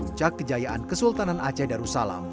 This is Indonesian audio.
puncak kejayaan kesultanan aceh darussalam